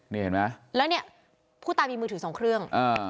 นี่เห็นไหมแล้วเนี่ยผู้ตายมีมือถือสองเครื่อง